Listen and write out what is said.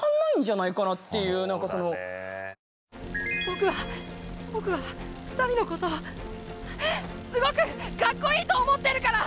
僕は僕は２人のことすごくカッコイイと思ってるから！